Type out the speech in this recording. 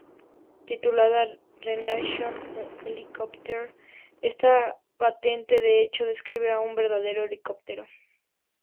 Titulada ""Rational Helicopter"" esta patente de hecho describe a un verdadero helicóptero.